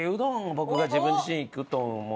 僕が自分自身いくと思うんで。